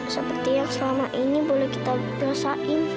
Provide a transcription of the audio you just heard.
seperti yang selama ini boleh kita dosain